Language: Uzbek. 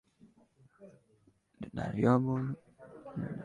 • Tog‘ va toshlarni shamol vayron qiladi, odamni — tuhmat.